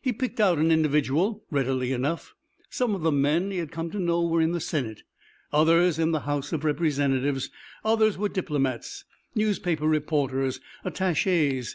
He picked out an individual readily enough. Some of the men he had come to know were in the Senate, others in the House of Representatives, others were diplomats, newspaper reporters, attachés.